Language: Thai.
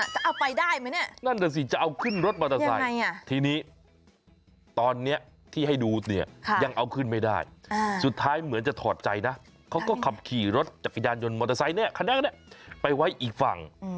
จะเอาไปได้ไหมเนี่ยนั่นน่ะสิจะเอาขึ้นรถมอเตอร์ไซค์ทีนี้ตอนนี้ที่ให้ดูเนี่ยยังเอาขึ้นไม่ได้สุดท้ายเหมือนจะถอดใจนะเขาก็ขับขี่รถจักรยานยนต์มอเตอร์ไซค์เนี่ยคันนี้ไปไว้อีกฝั่ง